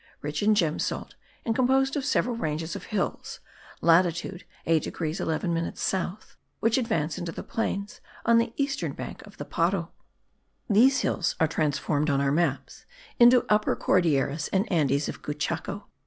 rich in gem salt, and composed of several ranges of hills (latitude 8 degrees 11 minutes south) which advance into the plains on the eastern bank of the Paro. These hills are transformed on our maps into Upper Cordilleras and Andes of Cuchao.